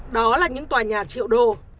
đó là những tòa nhà triệu đô